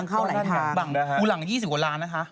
ก็มีทางเข้าไหน